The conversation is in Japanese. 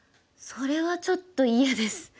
それはちょっと嫌です。